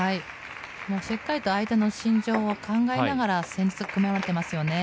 しっかりと相手の心情を考えながら戦術を組めていますよね。